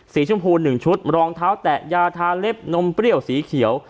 ชมพู๑ชุดรองเท้าแตะยาทาเล็บนมเปรี้ยวสีเขียว